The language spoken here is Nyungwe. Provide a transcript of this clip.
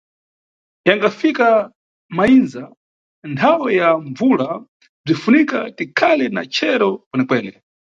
Yangafika mayindza, nthawe ya mbvula, bzinʼfunika tikhale na chero kwenekwene.